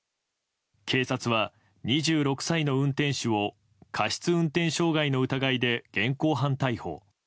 警察は２６歳の運転手を過失運転傷害の疑いで現行犯逮捕。